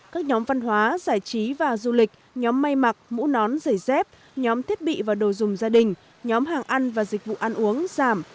các nhóm văn hóa giải trí và du lịch nhóm may mặc mũ nón giày dép nhóm thiết bị và đồ dùng gia đình nhóm hàng ăn và dịch vụ ăn uống giảm